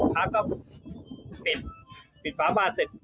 ภาพก็ปิดฟ้าบาดเสร็จ